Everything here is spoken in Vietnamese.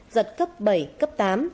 giật cấp bảy cấp tám